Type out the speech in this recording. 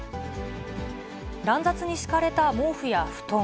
乱雑に敷かれた毛布や布団。